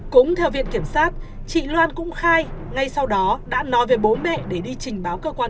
cũng theo viện kiểm sát chị loan cũng khai ngay sau đó đã nói về bố mẹ để đi trình báo cơ quan